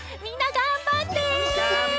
がんばってね。